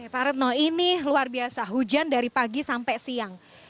pak retno ini luar biasa hujan dari pagi sampai siang